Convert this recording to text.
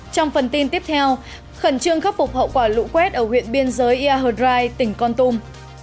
trong phần tin tiếp theo khẩn trương khắc phục hậu quả lũ quét ở huyện biên giới ia hờ rai tỉnh con tum